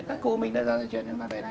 các cô mình đã truyền